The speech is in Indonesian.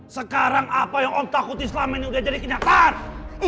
sekarang apa yang allah takuti selama ini udah jadi kenyataan